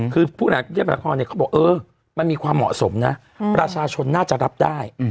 คือผู้หญังพิจารณาสัมปทานเขาบอกเออมันมีความเหมาะสมนะราชาชนน่าจะรับได้